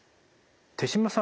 豊嶋さん